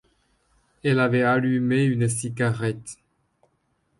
Elle avait allumé une cigarette.